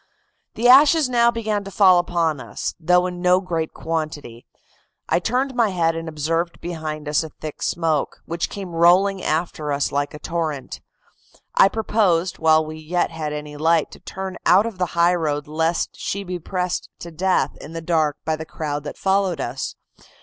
"The ashes now began to fall upon us, though in no great quantity. I turned my head and observed behind us a thick smoke, which came rolling after us like a torrent. I proposed, while we yet had any light, to turn out of the high road lest she should be pressed to death in the dark by the crowd that followed us.